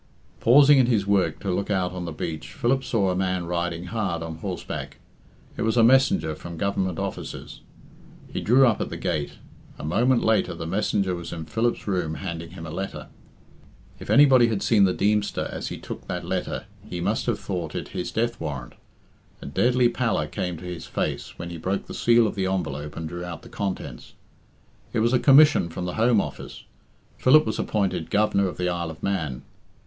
Pausing in his work to look out on the beach, Philip saw a man riding hard on horseback. It was a messenger from Government Offices. He drew up at the gate. A moment later the messenger was in Philip's room handing him a letter. If anybody had seen the Deemster as he took that letter he must have thought it his death warrant. A deadly pallor came to his face when he broke the seal of the envelope and drew out the contents. It was a commission from the Home Office. Philip was appointed Governor of the Isle of Man.